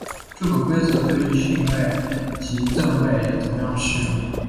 这个规则对于勋位及赠位也同样适用。